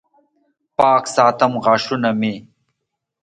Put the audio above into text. پاک ساتم غاښونه مې